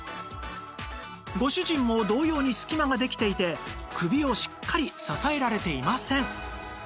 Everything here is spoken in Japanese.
ご主人も同様に隙間ができていて首をしっかり支えられていません